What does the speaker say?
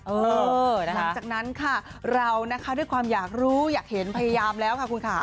หลังจากนั้นค่ะเรานะคะด้วยความอยากรู้อยากเห็นพยายามแล้วค่ะคุณค่ะ